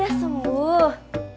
ia sudah sembuh